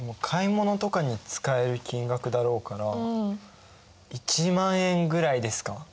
買い物とかに使える金額だろうから１万円ぐらいですか？